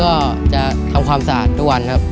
ก็จะทำความสะอาดทุกวันครับ